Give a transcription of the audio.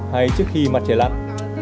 hay trước khi mặt trẻ lặn